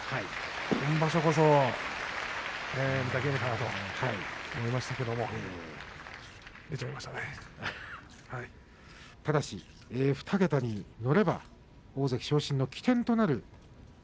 今場所こそ御嶽海かと思いましたけれどもただし２桁に乗れば大関昇進の起点となる。